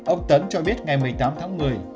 ông tấn cho biết ngày một mươi tám tháng một mươi